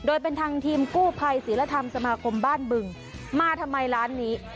โดยเป็นทางทีมกู้ภัยศิลธรรมสมาคมบ้านบึงมาทำไมร้านนี้